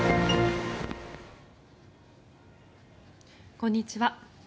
こんにちは。